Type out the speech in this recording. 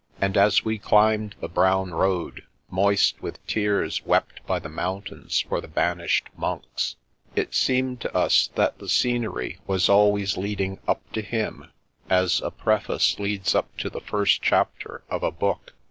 And as we climbed the brown road — ^moist with tears wept by the mountains for the banished monks — it seemed to us that the scenery was always leading up to him, as a preface leads up to the first chapter of a book.